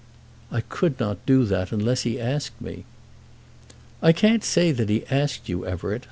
"I could not do that, unless he asked me." "I can't say that he asked you, Everett.